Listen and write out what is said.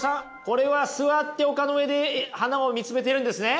これは座って丘の上で花を見つめているんですね？